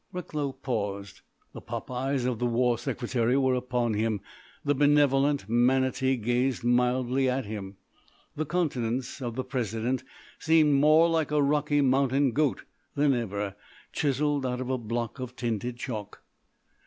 Recklow paused; the pop eyes of the War Secretary were upon him; the benevolent manatee gazed mildly at him; the countenance of the President seemed more like a Rocky Mountain goat than ever—chiselled out of a block of tinted chalk.